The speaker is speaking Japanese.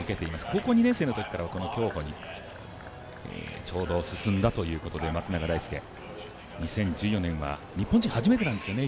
高校２年生のときからこの競歩に進んだということで松永大介、２０１４年は日本人初めてなんですよね